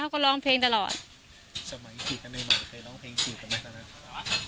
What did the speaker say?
ก็ร้องเพลงตลอดสมัยจีบกันใหม่เคยร้องเพลงจีบกันไหมตอนนั้น